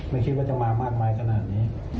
ไม่คิดว่าจะมามากมายขนาดนี้